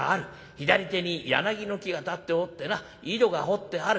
左手に柳の木が立っておってな井戸が掘ってある」。